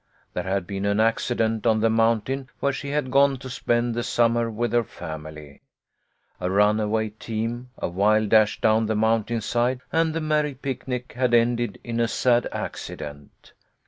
There had been an accident on the mountain where she had gone to spend the summer with her family. A runaway team, a wild dash down the mountainside, and the merry picnic had ended in a sad accident.